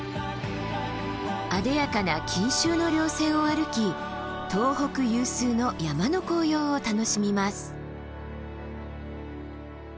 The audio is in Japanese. あでやかな錦繍の稜線を歩き東北有数の山の紅葉を楽しみます。